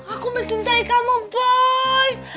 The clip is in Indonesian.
aku mencintai kamu boy